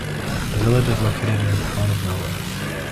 The village is located within the Town of Melrose.